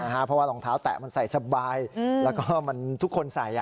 เพราะว่ารองเท้าแตะมันใส่สบายแล้วก็มันทุกคนใส่